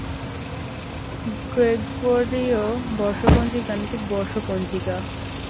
গ্রেগরীয় বর্ষপঞ্জী গাণিতিক বর্ষ পঞ্জিকা।